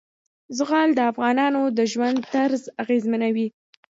زغال د افغانانو د ژوند طرز اغېزمنوي.